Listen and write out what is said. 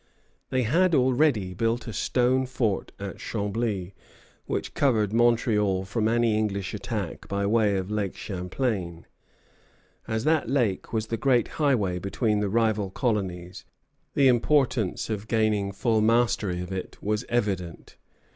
They had already built a stone fort at Chambly, which covered Montreal from any English attack by way of Lake Champlain. As that lake was the great highway between the rival colonies, the importance of gaining full mastery of it was evident.